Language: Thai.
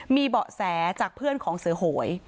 มีเบาะแสจากเพื่อนของเสือโหย